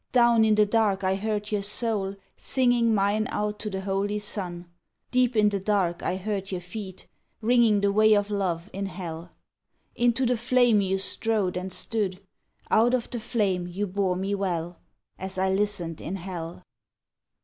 Down in the dark I heard your soul Singing mine out to the holy sun. Deep in the dark I heard your feet Ringing the way of Love in hell. Into the flame you strode and stood. Out of the flame you bore me well, As I listened in hell.